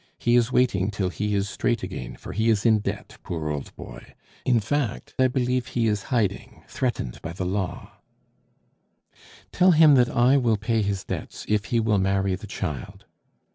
He is waiting till he is straight again, for he is in debt, poor old boy! In fact, I believe he is hiding, threatened by the law " "Tell him that I will pay his debts if he will marry the child."